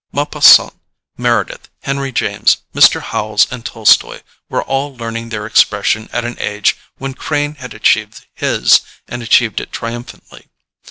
Maupassant, Meredith, Henry James, Mr. Howells and Tolstoy, were all learning their expression at an age where Crane had achieved his and achieved it triumphantly."